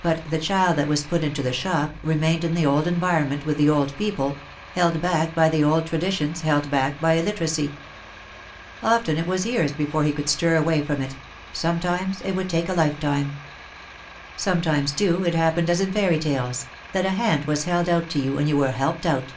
But the child that was put into the shop remained in the old environment with the old people, held back by the old traditions, held back by illiteracy. Often it was years before he could stir away from it, sometimes it would take a lifetime. Sometimes, too, it happened as in fairy tales, that a hand was held out to you and you were helped out.